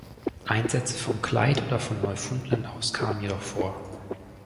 Einsätze vom Clyde oder von Neufundland aus kamen jedoch vor.